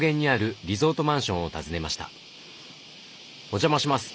お邪魔します。